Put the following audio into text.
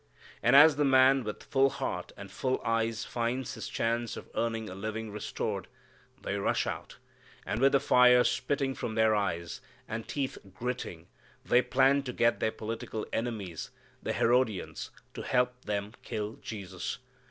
And as the man with full heart and full eyes finds his chance of earning a living restored, they rush out, and with the fire spitting from their eyes, and teeth gritting, they plan to get their political enemies, the Herodians, to help them kill Jesus.